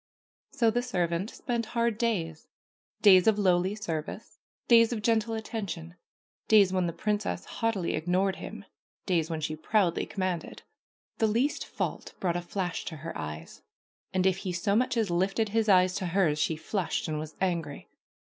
So the servant spent hard days, days of lowly service, days of gentle attention, days when the princess haughtily ignored him, days when she proudly commanded. The least fault brought a flash to her eyes, and if he so much as lifted his eyes to hers she flushed and was angry.